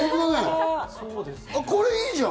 これいいじゃん！